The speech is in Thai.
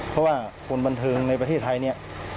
เพราะว่าคนบันเทิงในประเทศไทยเนี่ย